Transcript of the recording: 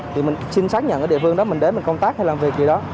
thì mình xin xác nhận ở địa phương đó mình đến mình công tác hay làm việc gì đó